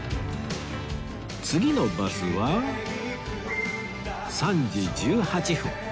次のバスは３時１８分